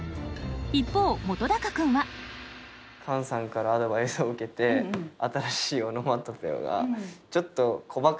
一方本君はカンさんからアドバイスを受けて新しいオノマトペがちょっとなるほど。